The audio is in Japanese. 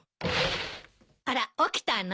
あら起きたの？